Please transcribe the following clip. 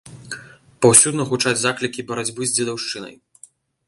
Паўсюдна гучаць заклікі барацьбы з дзедаўшчынай.